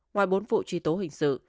ngoài bốn vụ truy tố hình sự